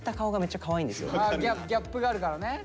ギャップがあるからね。